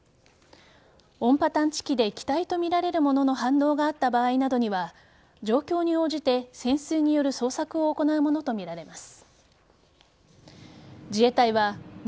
音波探知機で機体とみられるものの反応があった場合などには状況に応じて、潜水による捜索を行うものとみられます。